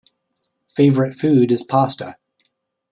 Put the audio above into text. Favorite food is pasta.